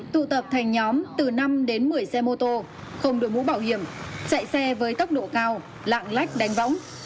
tụ tập thành nhóm từ năm đến một mươi xe mô tô không đổi mũ bảo hiểm chạy xe với tốc độ cao lạng lách đánh võng